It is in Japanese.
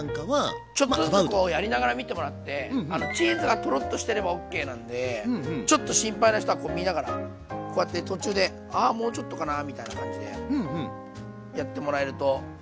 ちょっとずつこうやりながら見てもらってチーズがトロッとしてればＯＫなんでちょっと心配な人はこう見ながらこうやって途中で「あもうちょっとかな？」みたいな感じでやってもらえるといいと思います。